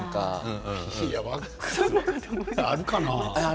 あるかな？